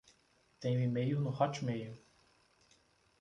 Tenho e-mail no Hotmail